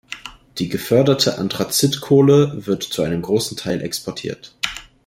Die geförderte Anthrazit-Kohle wird zu einem großen Teil exportiert.